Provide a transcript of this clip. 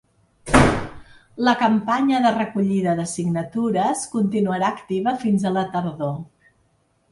La campanya de recollida de signatures continuarà activa fins a la tardor.